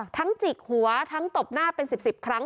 จิกหัวทั้งตบหน้าเป็น๑๐ครั้ง